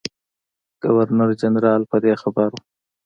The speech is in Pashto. ګورنر جنرال په دې خبر وو.